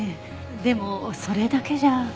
でもそれだけじゃ。